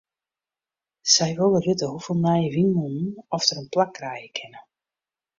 Sy wol witte hoefolle nije wynmûnen oft dêr in plak krije kinne.